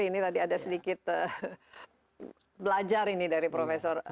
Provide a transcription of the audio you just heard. ini tadi ada sedikit belajar ini dari profesor